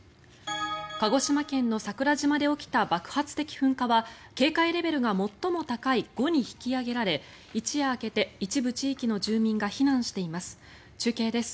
鹿児島県の桜島で起きた爆発的噴火は警戒レベルが最も高い５に引き上げられ一夜明けて一部地域の住民が避難しています。